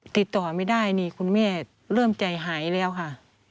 ติดต่อไม่ได้นี่คุณแม่เริ่มใจหายแล้วค่ะ